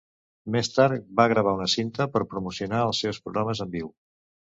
Més tard va gravar una cinta per promocionar els seus programes en viu.